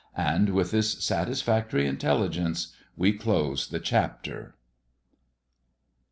And with this satisfactory intelligence we close the chapter.